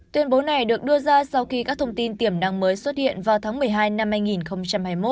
tuyên bố này được đưa ra sau khi các thông tin tiềm năng mới xuất hiện vào tháng một mươi hai năm hai nghìn hai mươi một